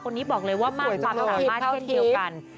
คนนี้บอกเลยว่ามากปัญหามากเท่าเกียวกัน